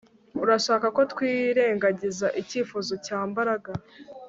Urashaka ko twirengagiza icyifuzo cya Mbaraga